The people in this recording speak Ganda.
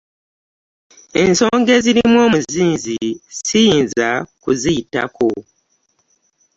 Ensonga ezirimu omuzinzi ssiyinza kuziyitako.